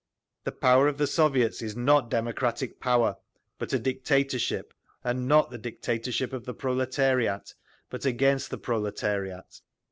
"…. The power of the Soviets is not democratic power, but a dictatorship—and not the dictatorship of the proletariat, but against the proletariat.